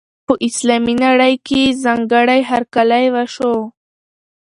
په اسلامي نړۍ کې یې ځانګړی هرکلی وشو.